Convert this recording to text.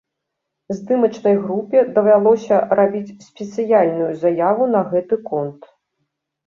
Здымачнай групе давялося рабіць спецыяльную заяву на гэты конт.